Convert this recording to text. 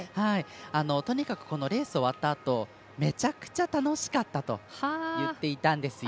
とにかくレース終わったあとめちゃめちゃ楽しかったと言っていたんですよ。